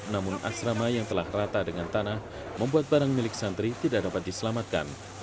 namun asrama yang telah rata dengan tanah membuat barang milik santri tidak dapat diselamatkan